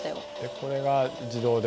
これが自動で。